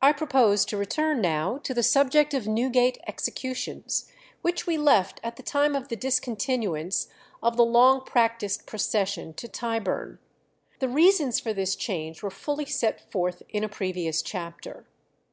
I propose to return now to the subject of Newgate executions, which we left at the time of the discontinuance of the long practised procession to Tyburn. The reasons for this change were fully set forth in a previous chapter.